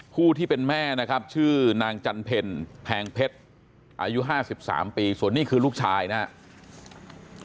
ผู้ที่เป็นแม่นะครับชื่อนางจันเพ็ญแพงเพชรอายุ๕๓ปีส่วนนี้คือลูกชายนะครับ